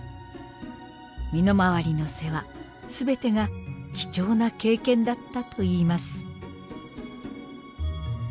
身の回りの世話全てが貴重な経験だったといいます。